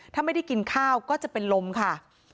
ถ้าไม่ได้กินข้าวก็จะเป็นลมค่ะ